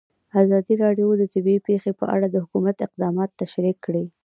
ازادي راډیو د طبیعي پېښې په اړه د حکومت اقدامات تشریح کړي.